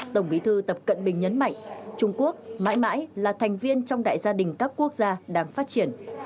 tổng bí thư tập cận bình nhấn mạnh trung quốc mãi mãi là thành viên trong đại gia đình các quốc gia đang phát triển